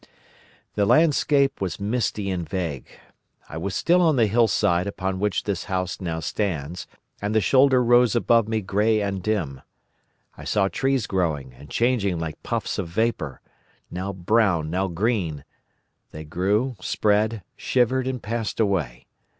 "The landscape was misty and vague. I was still on the hillside upon which this house now stands, and the shoulder rose above me grey and dim. I saw trees growing and changing like puffs of vapour, now brown, now green; they grew, spread, shivered, and passed away.